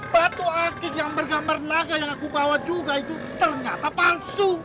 batu akik yang bergambar naga yang aku bawa juga itu ternyata palsu